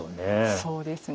そうですね。